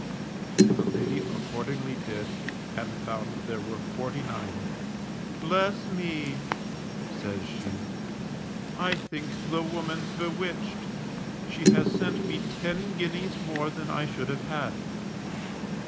_ The lady accordingly did, and found there were forty nine. Bless me! says she. _I think the woman's bewitched, she has sent me ten guineas more than I should have had.